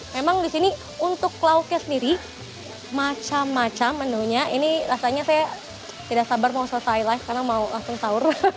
memang di sini untuk lauknya sendiri macam macam menunya ini rasanya saya tidak sabar mau selesai live karena mau langsung sahur